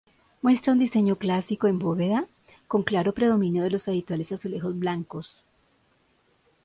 Muestra un diseño clásico, en bóveda, con claro predominio de los habituales azulejos blancos.